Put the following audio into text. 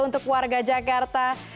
untuk warga jakarta